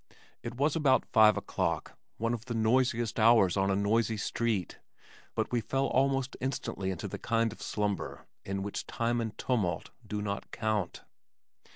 It was about five o'clock, one of the noisiest hours of a noisy street, but we fell almost instantly into the kind of slumber in which time and tumult do not count.